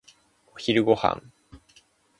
お昼ご飯。